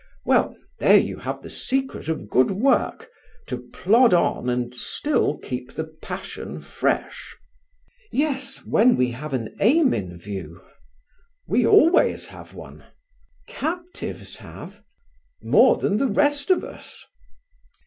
"Well, there you have the secret of good work: to plod on and still keep the passion fresh." "Yes, when we have an aim in view." "We always have one." "Captives have?" "More than the rest of us."